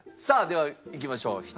さあではいきましょう。